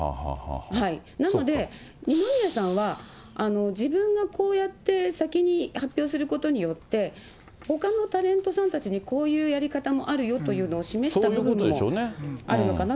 なので、二宮さんは自分がこうやって先に発表することによって、ほかのタレントさんたちにこういうやり方もあるよというのを示した部分もあるのかなと。